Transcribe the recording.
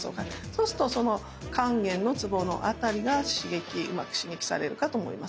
そうするとその関元のツボの辺りがうまく刺激されるかと思います。